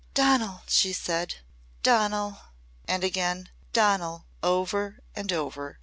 "Donal!" she said. "Donal!" And again, "Donal!" over and over.